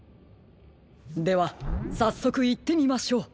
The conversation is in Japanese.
ではさっそくいってみましょう。